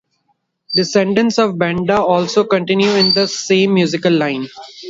Descendants of Benda also continue in the same musical line.